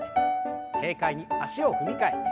軽快に足を踏み替えて。